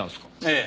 ええ。